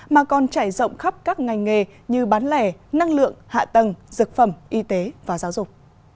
mà còn chảy rộng khắp các ngành nghề như bán lẻ năng lượng hạ tầng dược phẩm y tế và giáo dục